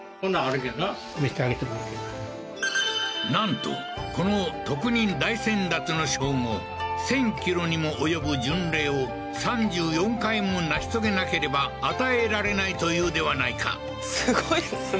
見してあげてもいいけどなんとこの特任大先達の称号１０００キロにも及ぶ巡礼を３４回も成し遂げなければ与えられないというではないかすごいですね